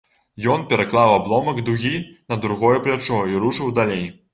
Ён пераклаў абломак дугі на другое плячо і рушыў далей.